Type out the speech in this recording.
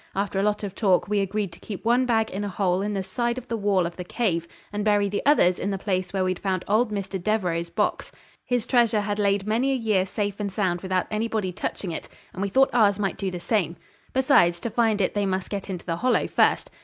After a lot of talk we agreed to keep one bag in a hole in the side of the wall of the cave, and bury the others in the place where we'd found old Mr. Devereux's box. His treasure had laid many a year safe and sound without anybody touching it, and we thought ours might do the same. Besides, to find it they must get into the Hollow first.